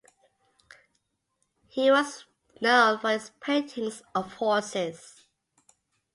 He was known for his paintings of horses.